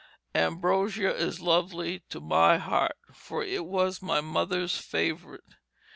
Ambrosia is lovely to my heart, for it was my mother's favorite.